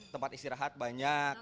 tempat istirahat banyak